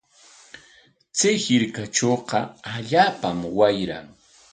Chay hirkatrawqa allaapam wayran.